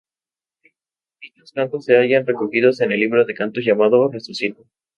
Dichos cantos se hallan recogidos en el libro de cantos llamado "Resucitó".